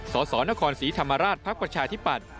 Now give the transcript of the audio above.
สสนครศรีธรรมราชพประชาธิปัตธ์